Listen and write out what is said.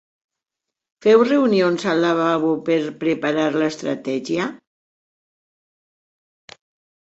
Feu reunions al lavabo per preparar l'estratègia?